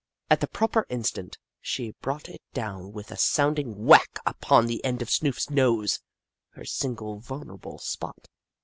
At the proper instant, she brought it down with a sounding whack upon the end of Snoof's nose — her single vulnerable spot.